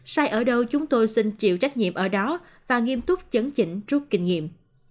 sai ở đâu chúng tôi xin chịu trách nhiệm ở đó và nghiêm túc chấn chỉnh rút kinh nghiệm